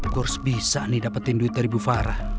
gue harus bisa nih dapetin duit dari bu farah